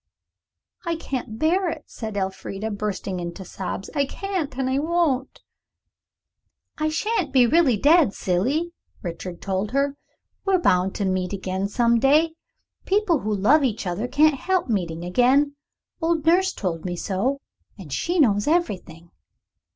"I can't bear it," said Elfrida, bursting into sobs. "I can't, and I won't." "I shan't be really dead, silly," Richard told her. "We're bound to meet again some day. People who love each other can't help meeting again. Old nurse told me so, and she knows everything.